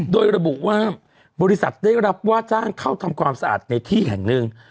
โดยระบุว่าบริษัทได้รับว่าจ้างเข้าทำความสะอาดในที่แห่งหนึ่ง